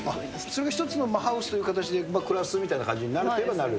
それが一つのハウスという形で、暮らすみたいな感じになるといえばなる？